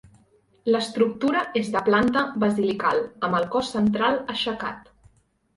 L'estructura és de planta basilical, amb el cos central aixecat.